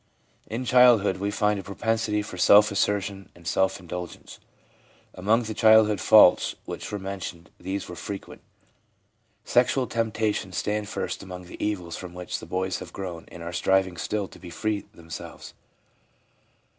In childhood we find a propensity for self assertion and self indulgence ; among the child hood faults which were mentioned these were frequent. Sexual temptations stand first among the evils from which the boys have grown and are striving still to free themselves.